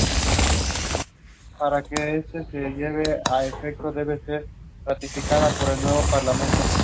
Al final, la sesión de fotos va bien y Tortoni vuelve a contratar.